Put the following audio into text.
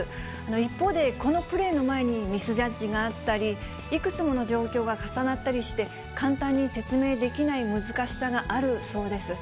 一方で、このプレーの前にミスジャッジがあったり、いくつもの状況が重なったりして、簡単に説明できない難しさがあるそうです。